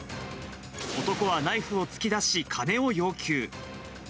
男はナイフを突き出し、金を要求。